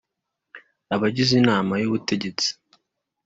Abagize inama y ubutegetsi